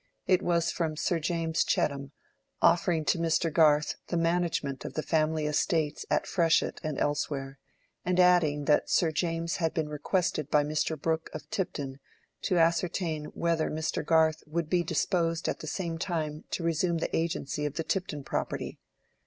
It was from Sir James Chettam, offering to Mr. Garth the management of the family estates at Freshitt and elsewhere, and adding that Sir James had been requested by Mr. Brooke of Tipton to ascertain whether Mr. Garth would be disposed at the same time to resume the agency of the Tipton property.